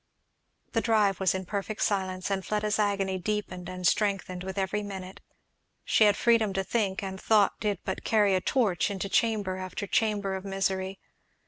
The drive was in perfect silence, and Fleda's agony deepened and strengthened with every minute. She had freedom to think, and thought did but carry a torch into chamber after chamber of misery.